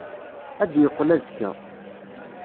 Ad d-yeqqel azekka.